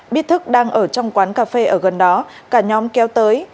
biết thức đang ở trong quán cà phê ở gần đó cả nhóm kéo tới